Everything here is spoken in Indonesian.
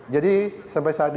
jadi sampai saat ini